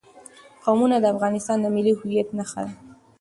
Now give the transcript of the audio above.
قومونه د افغانستان د ملي هویت نښه ده.